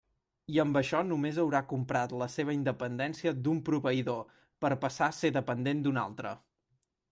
I amb això només haurà comprat la seva independència d'un proveïdor per passar a ser dependent d'un altre.